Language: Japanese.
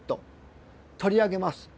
取り上げます。